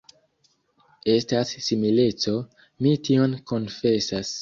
Estas simileco; mi tion konfesas.